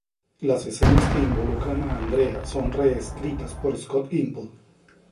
Las escenas que involucran a Andrea son re-escritas por Scott Gimple.